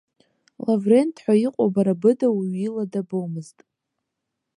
Лаврент ҳәа иҟоу бара быда уаҩ ила дабомызт.